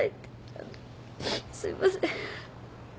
あのすいません。